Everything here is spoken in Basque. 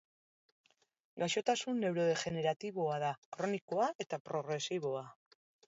Gaixotasun neurodegeneratiboa da, kronikoa eta progresiboa.